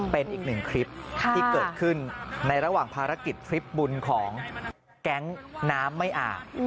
เป็นอีกหนึ่งคลิปที่เกิดขึ้นในระหว่างภารกิจทริปบุญของแก๊งน้ำไม่อาบ